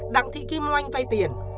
đặng thị kim oanh vay tiền